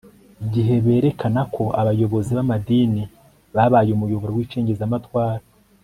gihe berekana ko abayobozi b amadini babaye umuyoboro w icengezamatwara